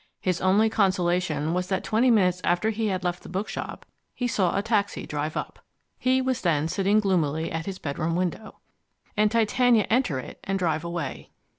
His only consolation was that twenty minutes after he had left the bookshop he saw a taxi drive up (he was then sitting gloomily at his bedroom window) and Titania enter it and drive away.